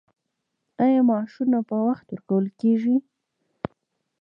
آیا معاشونه په وخت ورکول کیږي؟